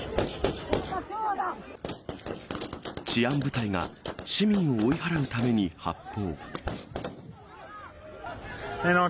治安部隊が市民を追い払うために発砲。